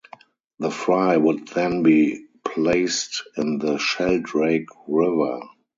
The fry would then be placed in the Sheldrake River.